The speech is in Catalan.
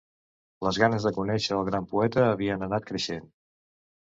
Les ganes de conèixer al gran poeta havien anat creixent